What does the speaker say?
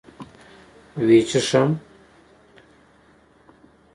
وچيښم